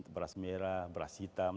beras merah beras hitam